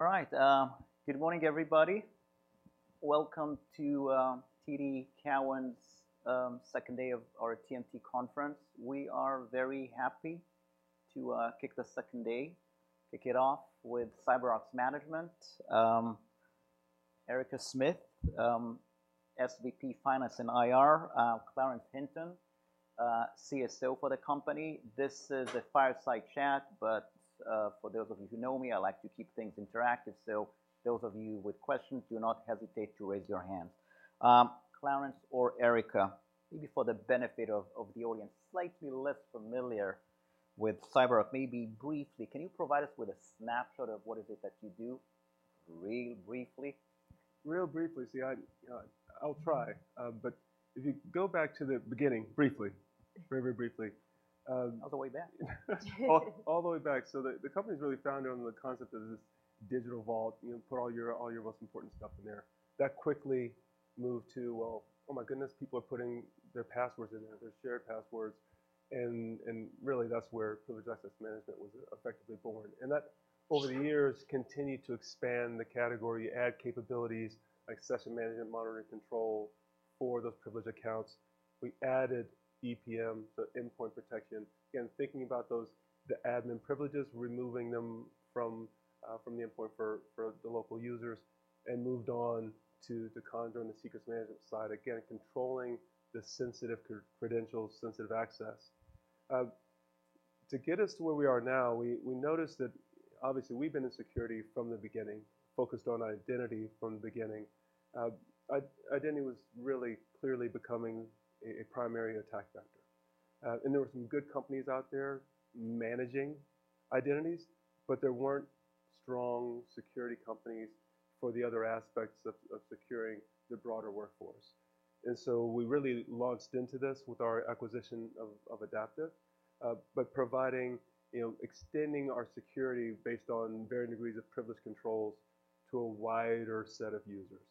All right, good morning, everybody. Welcome to TD Cowen's second day of our TMT conference. We are very happy to kick it off with CyberArk's management. Erica Smith, SVP, Finance and IR, Clarence Hinton, CSO for the company. This is a fireside chat, but for those of you who know me, I like to keep things interactive. So those of you with questions, do not hesitate to raise your hand. Clarence or Erica, maybe for the benefit of the audience, slightly less familiar with CyberArk, maybe briefly, can you provide us with a snapshot of what is it that you do, real briefly? Real briefly. See, I, I'll try, but if you go back to the beginning, briefly, very, very briefly, All the way back. All the way back. So the company was really founded on the concept of this digital vault. You know, put all your most important stuff in there. That quickly moved to, well, oh my goodness, people are putting their passwords in there, their shared passwords, and really that's where privileged access management was effectively born. And that, over the years, continued to expand the category, add capabilities like session management, monitoring control for those privileged accounts. We added EPM to endpoint protection. Again, thinking about those, the admin privileges, removing them from the endpoint for the local users, and moved on to the Conjur and the secrets management side, again, controlling the sensitive credentials, sensitive access. To get us to where we are now, we noticed that obviously we've been in security from the beginning, focused on identity from the beginning. Identity was really clearly becoming a primary attack vector. And there were some good companies out there managing identities, but there weren't strong security companies for the other aspects of securing the broader workforce. And so we really launched into this with our acquisition of Idaptive, but providing, you know, extending our security based on varying degrees of privileged controls to a wider set of users,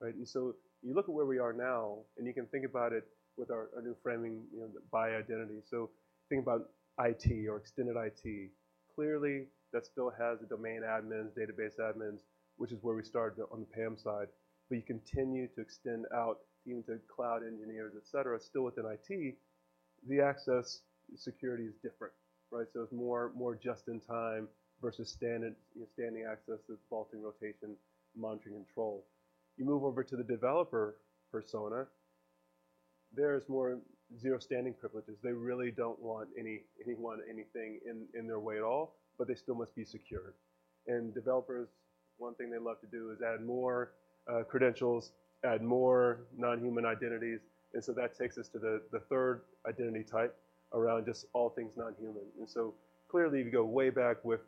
right? And so you look at where we are now, and you can think about it with our a new framing, you know, by identity. So think about IT or extended IT. Clearly, that still has the domain admins, database admins, which is where we started on the PAM side, but you continue to extend out even to cloud engineers, et cetera, still within IT, the access security is different, right? So it's more just in time versus standard, standing access, with vault and rotation, monitoring control. You move over to the developer persona, there's more zero standing privileges. They really don't want anyone, anything in their way at all, but they still must be secure. And developers, one thing they love to do is add more credentials, add more non-human identities, and so that takes us to the third identity type around just all things non-human. And so clearly, if you go way back with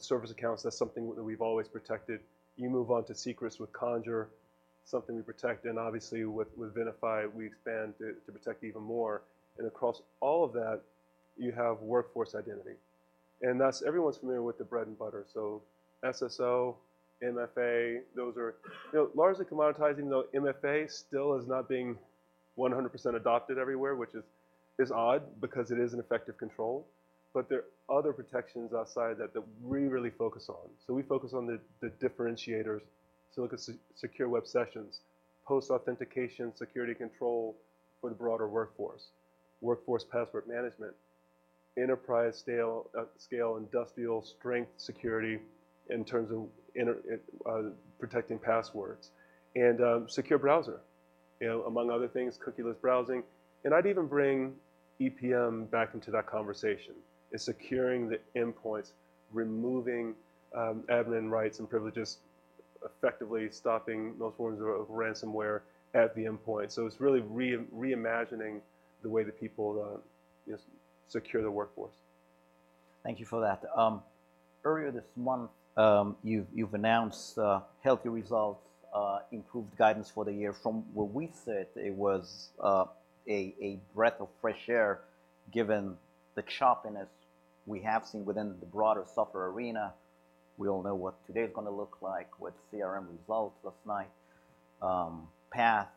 service accounts, that's something that we've always protected. You move on to secrets with Conjur, something we protect, and obviously with Venafi, we expand to protect even more. Across all of that, you have workforce identity. That's... Everyone's familiar with the bread and butter, so SSO, MFA, those are you know largely commoditizing, though MFA still is not being 100% adopted everywhere, which is odd because it is an effective control. But there are other protections outside that that we really focus on. We focus on the differentiators. Look at Secure Web Sessions, post-authentication security control for the broader workforce, Workforce Password Management, enterprise-scale, industrial strength security in terms of protecting passwords and Secure Browser, you know, among other things, cookieless browsing. I'd even bring EPM back into that conversation. It's securing the endpoints, removing admin rights and privileges, effectively stopping those forms of ransomware at the endpoint. So it's really reimagining the way that people secure their workforce. Thank you for that. Earlier this month, you've announced healthy results, improved guidance for the year. From what we've said, it was a breath of fresh air, given the choppiness we have seen within the broader software arena. We all know what today is gonna look like with CRM results last night, Path.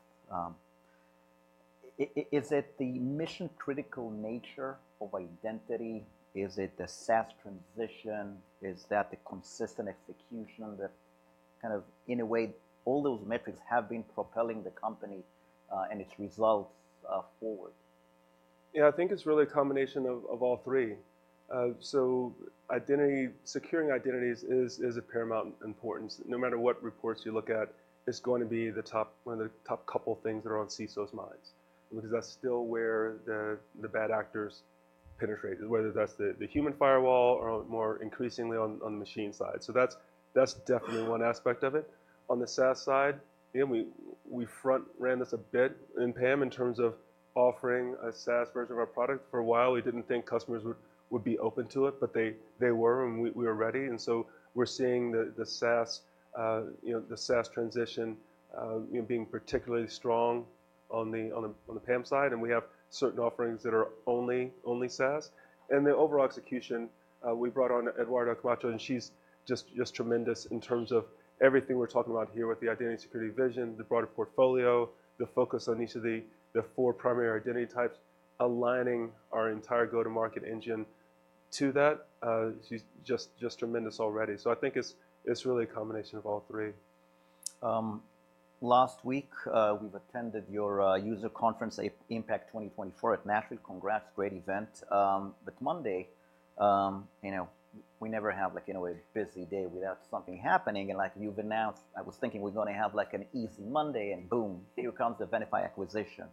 Is it the mission-critical nature of identity? Is it the SaaS transition? Is that the consistent execution that kind of, in a way, all those metrics have been propelling the company and its results forward? Yeah, I think it's really a combination of, of all three. Uh, so identity, securing identities is, is of paramount importance. No matter what reports you look at, it's going to be the top... one of the top couple of things that are on CISOs' minds, because that's still where the, the bad actors penetrate, whether that's the, the human firewall or more increasingly on, on the machine side. So that's, that's definitely one aspect of it. On the SaaS side, you know, we, we front ran this a bit in PAM in terms of offering a SaaS version of our product. For a while, we didn't think customers would, would be open to it, but they, they were, and we, we were ready. We're seeing the SaaS transition, you know, being particularly strong on the PAM side, and we have certain offerings that are only SaaS. And the overall execution, we brought on Eduarda Camacho, and she's just tremendous in terms of everything we're talking about here with the identity and security vision, the broader portfolio, the focus on each of the four primary identity types, aligning our entire go-to-market engine to that. She's just tremendous already. So I think it's really a combination of all three.... Last week, we've attended your user conference, Impact 2024 at Nashville. Congrats, great event. But Monday, you know, we never have like, you know, a busy day without something happening, and like you've announced, I was thinking we're gonna have, like, an easy Monday, and boom! Here comes the Venafi acquisition.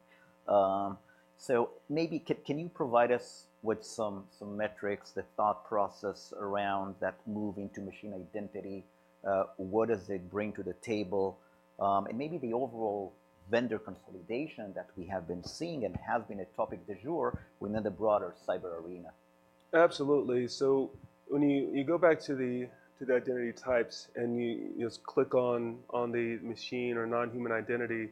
So maybe can you provide us with some, some metrics, the thought process around that move into machine identity? What does it bring to the table? And maybe the overall vendor consolidation that we have been seeing and has been a topic du jour within the broader cyber arena. Absolutely. So when you go back to the identity types and you just click on the machine or non-human identity,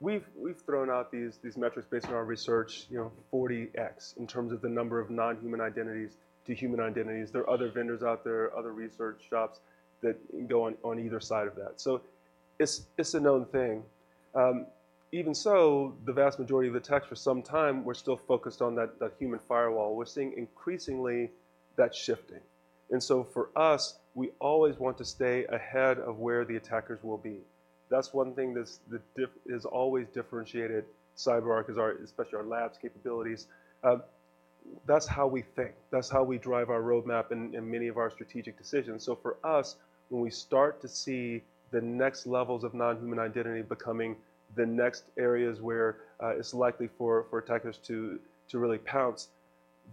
we've thrown out these metrics based on our research, you know, 40x, in terms of the number of non-human identities to human identities. There are other vendors out there, other research shops that go on either side of that. So it's a known thing. Even so, the vast majority of attacks for some time were still focused on that human firewall. We're seeing increasingly that shifting. And so for us, we always want to stay ahead of where the attackers will be. That's one thing that's differentiated CyberArk, is our, especially our labs capabilities. That's how we think, that's how we drive our roadmap and many of our strategic decisions. So for us, when we start to see the next levels of non-human identity becoming the next areas where it's likely for attackers to really pounce,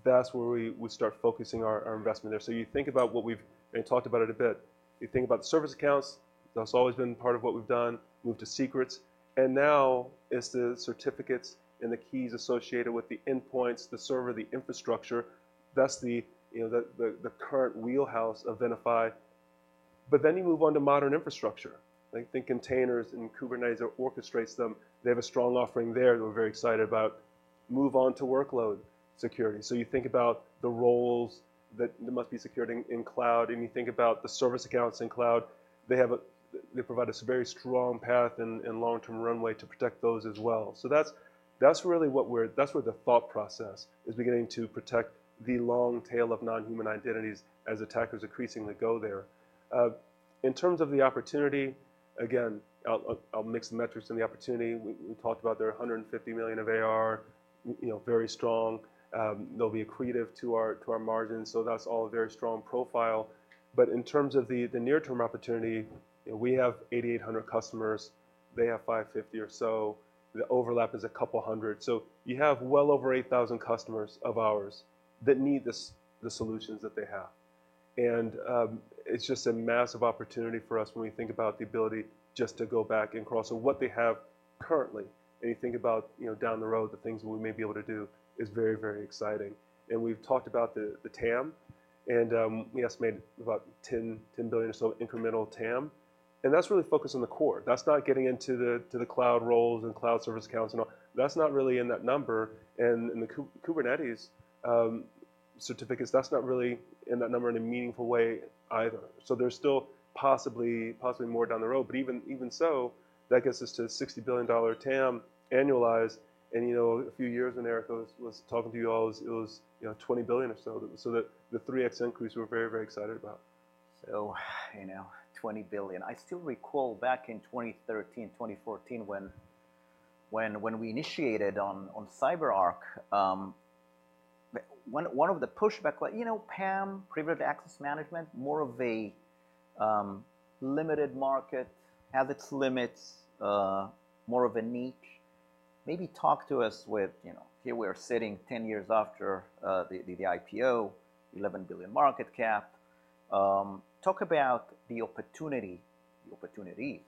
that's where we start focusing our investment there. So you think about what we've... And we talked about it a bit. You think about the service accounts, that's always been part of what we've done, move to secrets, and now it's the certificates and the keys associated with the endpoints, the server, the infrastructure. That's the, you know, the current wheelhouse of Venafi. But then you move on to modern infrastructure, like think containers, and Kubernetes orchestrates them. They have a strong offering there that we're very excited about. Move on to workload security. So you think about the roles that must be secured in cloud, and you think about the service accounts in cloud. They provide us a very strong path and long-term runway to protect those as well. So that's really what we're – that's where the thought process is beginning to protect the long tail of non-human identities as attackers increasingly go there. In terms of the opportunity, again, I'll mix the metrics and the opportunity. We talked about there are $150 million of ARR, you know, very strong. They'll be accretive to our margins, so that's all a very strong profile. But in terms of the near-term opportunity, we have 8,800 customers, they have 550 or so. The overlap is a couple hundred. So you have well over 8,000 customers of ours that need the solutions that they have. It's just a massive opportunity for us when we think about the ability just to go back and cross-sell. So what they have currently, and you think about, you know, down the road, the things we may be able to do, is very, very exciting. And we've talked about the, the TAM, and, we estimated about $10 billion or so incremental TAM. And that's really focused on the core. That's not getting into the, to the cloud roles and cloud service accounts and all. That's not really in that number. And, and the Kubernetes, certificates, that's not really in that number in a meaningful way either. So there's still possibly more down the road, but even so, that gets us to a $60 billion TAM annualized. You know, a few years when Erica was talking to you all, it was, you know, $20 billion or so. So the 3x increase, we're very excited about. So, you know, $20 billion. I still recall back in 2013, 2014, when we initiated on CyberArk, one of the pushback, like, you know, PAM, privileged access management, more of a limited market, has its limits, more of a niche. Maybe talk to us with, you know, here we are sitting 10 years after the IPO, $11 billion market cap. Talk about the opportunity, the opportunities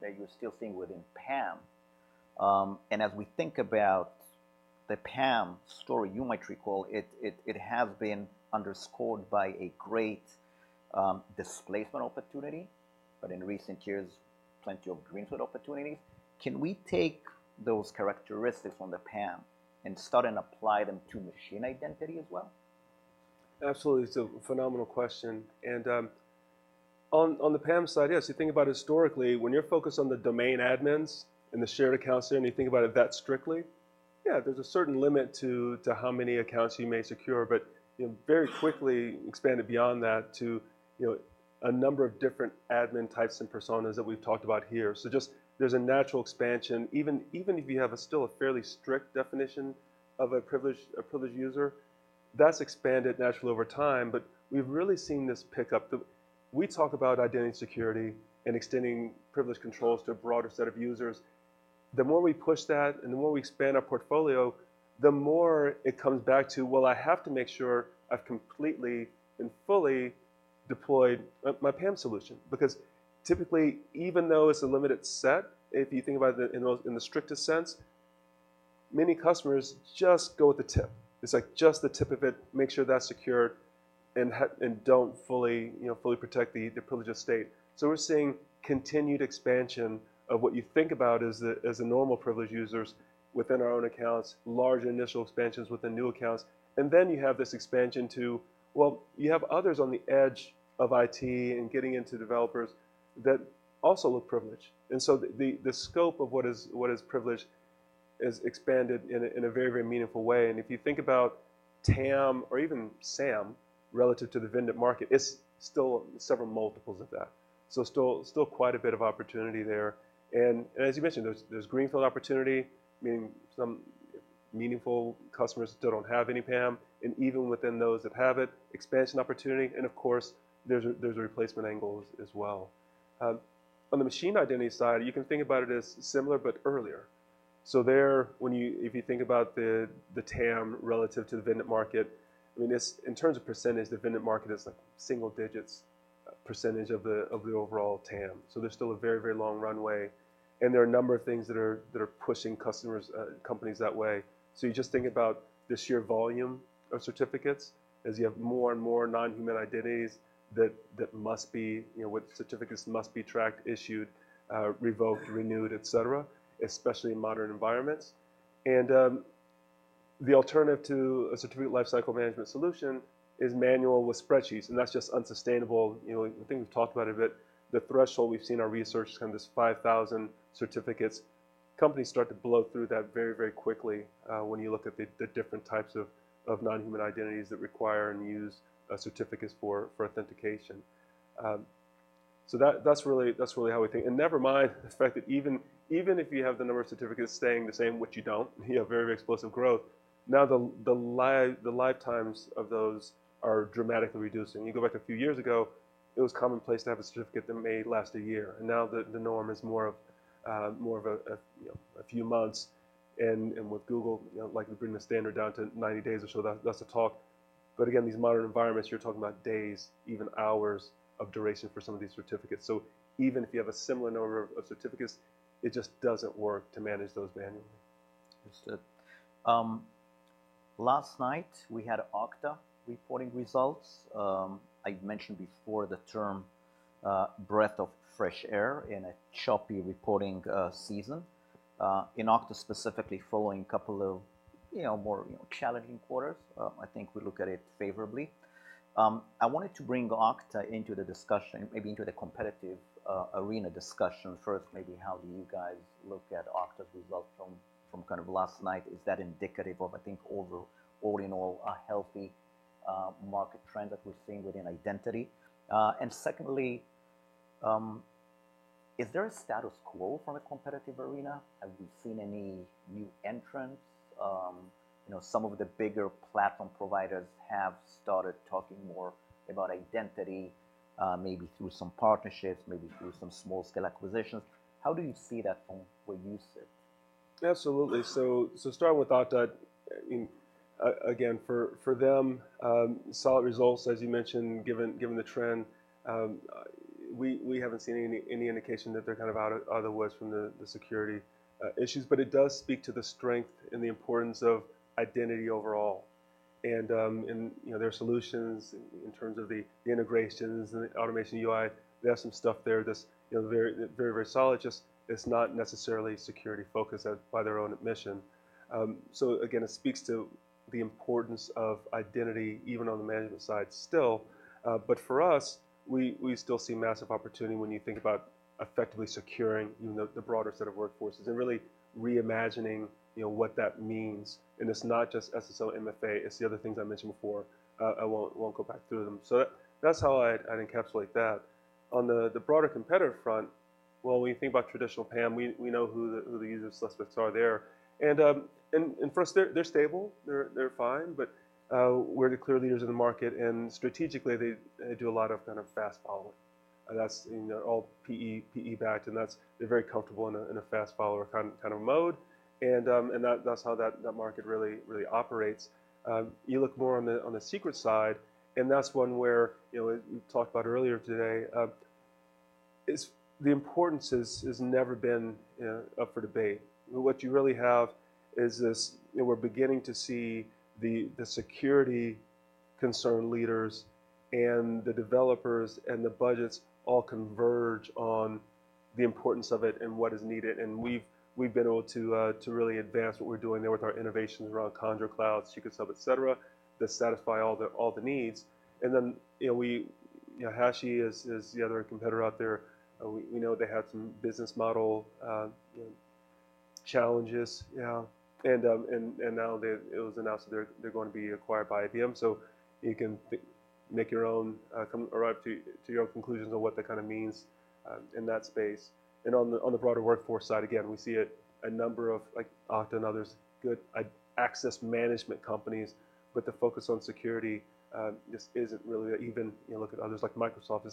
that you're still seeing within PAM. And as we think about the PAM story, you might recall it, it has been underscored by a great displacement opportunity, but in recent years, plenty of greenfield opportunities. Can we take those characteristics from the PAM and start and apply them to machine identity as well? Absolutely. It's a phenomenal question, and on the PAM side, yes. You think about historically, when you're focused on the domain admins and the shared accounts, and you think about it that strictly, yeah, there's a certain limit to how many accounts you may secure, but, you know, very quickly expanded beyond that to, you know, a number of different admin types and personas that we've talked about here. So just there's a natural expansion. Even if you have still a fairly strict definition of a privileged user, that's expanded naturally over time, but we've really seen this pick up. The. We talk about identity and security and extending privilege controls to a broader set of users. The more we push that and the more we expand our portfolio, the more it comes back to: Will I have to make sure I've completely and fully deployed my PAM solution? Because typically, even though it's a limited set, if you think about it in the strictest sense, many customers just go with the tip. It's like just the tip of it, make sure that's secure and and don't fully, you know, fully protect the privileged estate. So we're seeing continued expansion of what you think about as the normal privileged users within our own accounts, large initial expansions within new accounts, and then you have this expansion to... Well, you have others on the edge of IT and getting into developers that also look privileged. And so the scope of what is privileged-... It is expanded in a very, very meaningful way. And if you think about TAM or even SAM, relative to the vendor market, it's still several multiples of that. So still quite a bit of opportunity there. And as you mentioned, there's greenfield opportunity, meaning some meaningful customers still don't have any PAM, and even within those that have it, expansion opportunity, and of course, there's a replacement angle as well. On the machine identity side, you can think about it as similar but earlier. So there, if you think about the TAM relative to the vendor market, I mean, this, in terms of percentage, the vendor market is like single digits percentage of the overall TAM. So there's still a very, very long runway, and there are a number of things that are pushing customers, companies that way. So you just think about the sheer volume of certificates as you have more and more non-human identities that must be, you know, with certificates, must be tracked, issued, revoked, renewed, et cetera, especially in modern environments. And the alternative to a certificate lifecycle management solution is manual with spreadsheets, and that's just unsustainable. You know, I think we've talked about it a bit, the threshold we've seen in our research is kind of this 5,000 certificates. Companies start to blow through that very, very quickly, when you look at the different types of non-human identities that require and use certificates for authentication. So that's really, that's really how we think. And never mind the fact that even if you have the number of certificates staying the same, which you don't, you have very explosive growth. Now, the lifetimes of those are dramatically reduced. And you go back a few years ago, it was commonplace to have a certificate that may last a year, and now the norm is more of a, you know, a few months. And with Google, you know, likely to bring the standard down to 90 days or so, that's the talk. But again, these modern environments, you're talking about days, even hours of duration for some of these certificates. So even if you have a similar number of certificates, it just doesn't work to manage those manually. Understood. Last night, we had Okta reporting results. I've mentioned before the term, breath of fresh air in a choppy reporting season. In Okta, specifically following a couple of, you know, more challenging quarters. I think we look at it favorably. I wanted to bring Okta into the discussion, maybe into the competitive arena discussion. First, maybe how do you guys look at Okta's results from kind of last night? Is that indicative of, I think, overall, all in all, a healthy market trend that we're seeing within identity? And secondly, is there a status quo from a competitive arena? Have we seen any new entrants? You know, some of the bigger platform providers have started talking more about identity, maybe through some partnerships, maybe through some small-scale acquisitions. How do you see that from where you sit? Absolutely. So starting with Okta, I mean, again, for them, solid results, as you mentioned, given the trend. We haven't seen any indication that they're kind of out of otherwise from the security issues, but it does speak to the strength and the importance of identity overall. And, you know, their solutions in terms of the integrations and the automation UI, they have some stuff there that's, you know, very, very, very solid. Just, it's not necessarily security focused by their own admission. So again, it speaks to the importance of identity, even on the management side still. But for us, we still see massive opportunity when you think about effectively securing, you know, the broader set of workforces and really reimagining, you know, what that means. It's not just SSO, MFA; it's the other things I mentioned before. I won't go back through them. So that's how I'd encapsulate that. On the broader competitor front, well, when you think about traditional PAM, we know who the usual suspects are there. And first, they're stable, they're fine, but we're the clear leaders in the market, and strategically, they do a lot of kind of fast following. And that's, you know, all PE-backed, and that's—they're very comfortable in a fast follower kind of mode. And that, that's how that market really operates. You look more on the secrets side, and that's one where, you know, we talked about earlier today, its importance has never been up for debate. What you really have is this, and we're beginning to see the security concern leaders and the developers, and the budgets all converge on the importance of it and what is needed. And we've been able to really advance what we're doing there with our innovations around Conjur Cloud, Secrets Hub, et cetera, that satisfy all the needs. And then, you know, we, you know, Hashi is the other competitor out there. We know they had some business model, you know, challenges, you know, and, and now they - it was announced that they're going to be acquired by IBM. So you can make your own, come, arrive to your own conclusions on what that kind of means in that space. And on the broader workforce side, again, we see a number of like Okta and others, good identity access management companies, but the focus on security just isn't really even... You know, look at others like Microsoft. You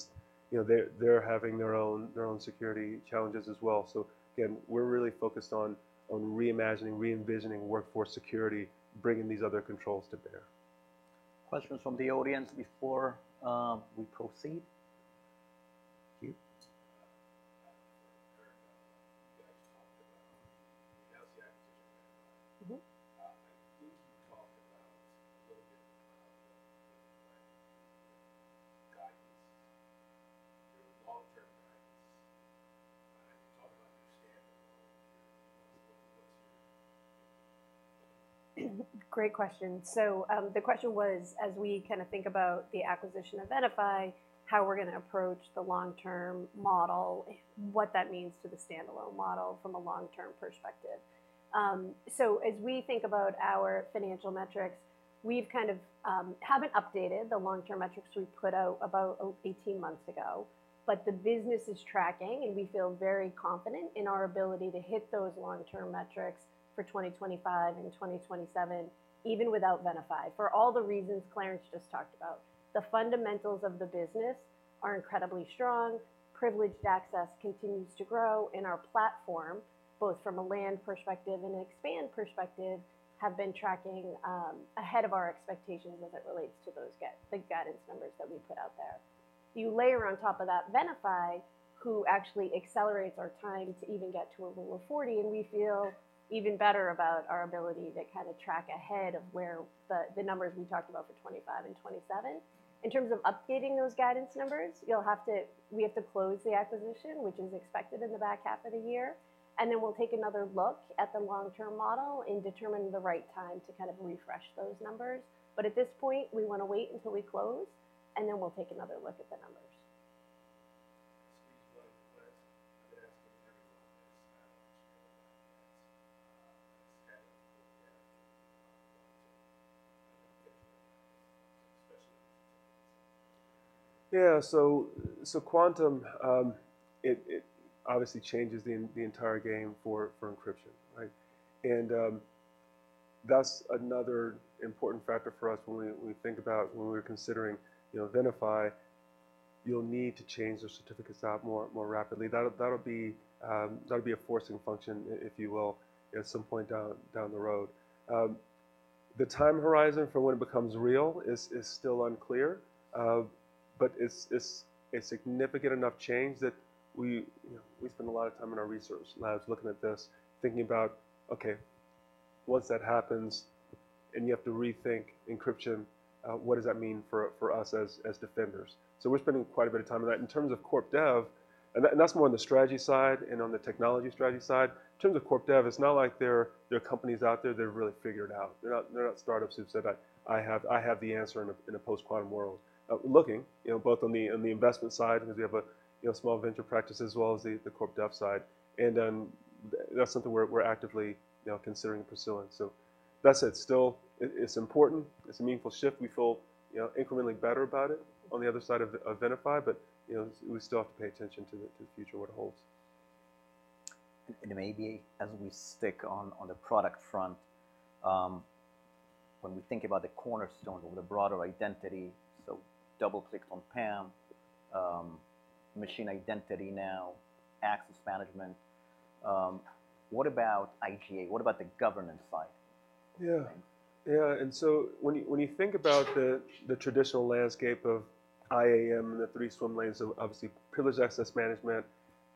know, they're having their own security challenges as well. So again, we're really focused on reimagining, re-envisioning workforce security, bringing these other controls to bear. Questions from the audience before we proceed? You. Mm-hmm. I think you talked about a little bit about guidance, your long-term guidance. Can you talk about your standard... Great question. So, the question was, as we kind of think about the acquisition of Venafi, how we're gonna approach the long-term model, what that means to the standalone model from a long-term perspective. So as we think about our financial metrics, we've kind of haven't updated the long-term metrics we put out about 18 months ago. But the business is tracking, and we feel very confident in our ability to hit those long-term metrics for 2025 and 2027, even without Venafi, for all the reasons Clarence just talked about. The fundamentals of the business are incredibly strong. Privileged access continues to grow, and our platform, both from a land perspective and an expand perspective, have been tracking ahead of our expectations as it relates to the guidance numbers that we put out there. You layer on top of that Venafi, who actually accelerates our time to even get to a Rule of 40, and we feel even better about our ability to kind of track ahead of where the numbers we talked about for 2025 and 2027. In terms of updating those guidance numbers, you'll have to, we have to close the acquisition, which is expected in the back half of the year, and then we'll take another look at the long-term model and determine the right time to kind of refresh those numbers. But at this point, we wanna wait until we close, and then we'll take another look at the numbers. Yeah, so quantum, it obviously changes the entire game for encryption, right? And, that's another important factor for us when we think about when we're considering, you know, Venafi, you'll need to change those certificates out more rapidly. That'll be a forcing function, if you will, at some point down the road. The time horizon for when it becomes real is still unclear, but it's a significant enough change that we, you know, we spend a lot of time in our research labs looking at this, thinking about, okay, once that happens and you have to rethink encryption, what does that mean for us as defenders? So we're spending quite a bit of time on that. In terms of corp dev... And that's more on the strategy side and on the technology strategy side. In terms of corp dev, it's not like there are companies out there that have really figured out. They're not startups who've said that, "I have the answer in a post-quantum world." We're looking, you know, both on the investment side, because we have a small venture practice as well as the corp dev side. And that's something we're actively, you know, considering pursuing. So that said, still, it's important, it's a meaningful shift. We feel, you know, incrementally better about it on the other side of Venafi, but, you know, we still have to pay attention to the future, what it holds. And maybe as we stick on, on the product front, when we think about the cornerstone or the broader identity, so double-click on PAM, machine identity now, access management, what about IGA? What about the governance side? Yeah. Yeah, and so when you think about the traditional landscape of IAM and the three swim lanes, so obviously, privileged access management,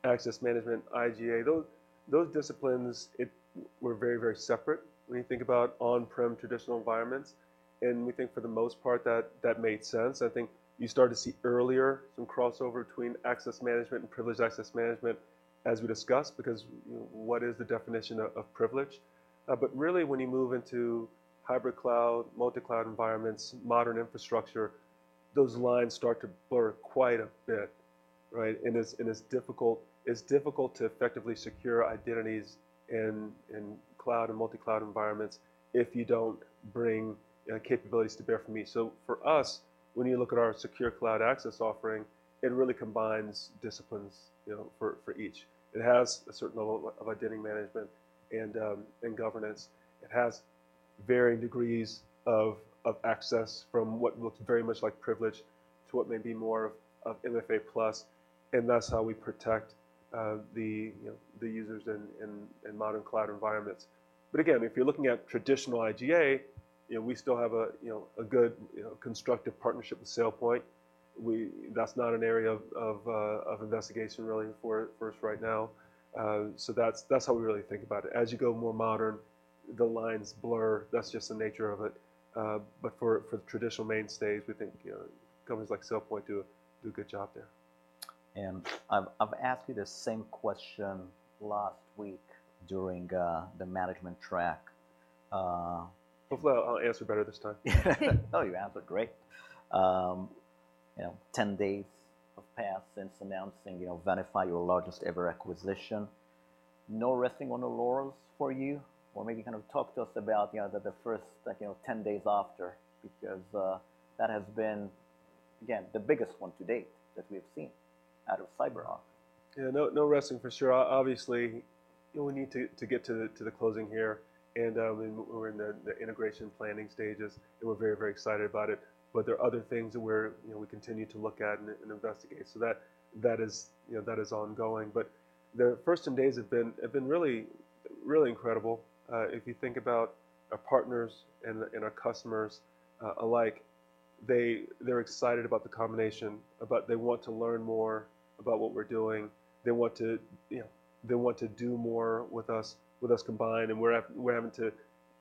access management, IGA, those disciplines, they were very, very separate when you think about on-prem traditional environments, and we think for the most part, that made sense. I think you start to see earlier some crossover between access management and privileged access management, as we discussed, because what is the definition of privilege? But really, when you move into hybrid cloud, multi-cloud environments, modern infrastructure, those lines start to blur quite a bit, right? And it's difficult. It's difficult to effectively secure identities in cloud and multi-cloud environments if you don't bring capabilities to bear for me. So for us, when you look at our Secure Cloud Access offering, it really combines disciplines, you know, for each. It has a certain level of identity management and governance. It has varying degrees of access from what looks very much like privilege to what may be more of MFA plus, and that's how we protect the, you know, the users in modern cloud environments. But again, if you're looking at traditional IGA, you know, we still have a good, you know, constructive partnership with SailPoint. That's not an area of investigation really for us right now. So that's how we really think about it. As you go more modern, the lines blur. That's just the nature of it. But for the traditional mainstays, we think, you know, companies like SailPoint do a good job there. And I've asked you the same question last week during the management track. Hopefully, I'll answer better this time. Oh, you answered great. You know, 10 days have passed since announcing, you know, Venafi, your largest-ever acquisition. No resting on your laurels for you? Or maybe kind of talk to us about, you know, the first, like, you know, 10 days after, because that has been, again, the biggest one to date that we've seen out of CyberArk. Yeah, no, no resting, for sure. Obviously, you know, we need to get to the closing here, and we're in the integration planning stages, and we're very, very excited about it. But there are other things that we're, you know, we continue to look at and investigate. So that is, you know, that is ongoing. But the first 10 days have been really, really incredible. If you think about our partners and our customers alike, they're excited about the combination, about they want to learn more about what we're doing. They want to, you know, they want to do more with us, with us combined, and we're having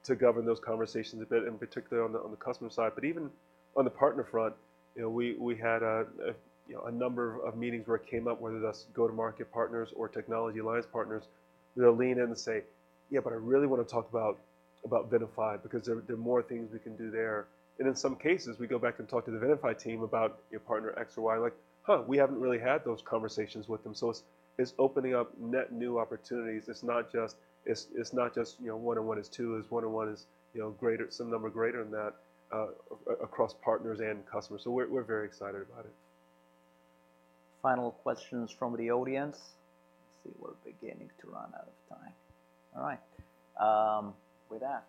to govern those conversations a bit, and particularly on the customer side. But even on the partner front, you know, we had a number of meetings where it came up, whether that's go-to-market partners or technology alliance partners. They'll lean in and say: "Yeah, but I really want to talk about Venafi because there are more things we can do there." And in some cases, we go back and talk to the Venafi team about your partner X or Y, like, "Huh, we haven't really had those conversations with them." So it's opening up net new opportunities. It's not just, you know, one and one is two. It's one and one is, you know, greater, some number greater than that across partners and customers. So we're very excited about it. Final questions from the audience? Let's see, we're beginning to run out of time. All right, with that,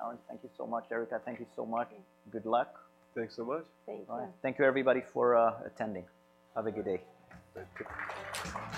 Shaul, thank you so much. Erica, thank you so much. Thank you. Good luck. Thanks so much. Thank you. All right. Thank you, everybody, for attending. Have a good day. Thank you.